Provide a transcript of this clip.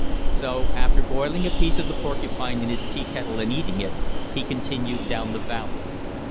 So after boiling a piece of the porcupine in his tea kettle and eating it, he continued down the valley.